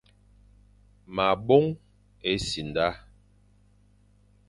Ma bôn-e-simda,